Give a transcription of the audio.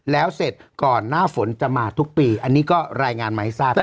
แล้วเสร็จก่อนหน้าฝนจะมาทุกปีอันนี้ก็รายงานมาให้ทราบ